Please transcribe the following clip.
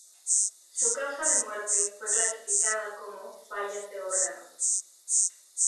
Su causa de muerte fue clasificada como "fallas de órganos".